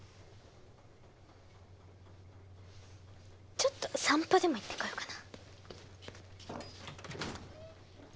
ちょっと散歩でも行ってこようかな。